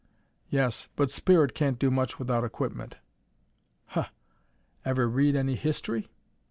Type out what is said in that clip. "Yes, but spirit can't do much without equipment." "Huh! Ever read any history?"